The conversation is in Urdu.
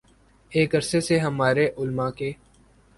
ایک عرصے سے ہمارے علما کے